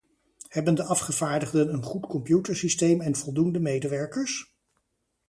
Hebben de afgevaardigden een goed computersysteem en voldoende medewerkers?